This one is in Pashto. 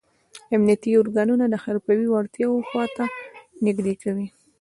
امنیتي ارګانونه د حرفوي وړتیاو خواته نه نږدې کوي.